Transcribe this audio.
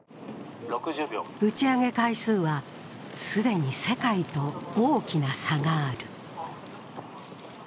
打ち上げ回数は、すでに世界と大きな差がある。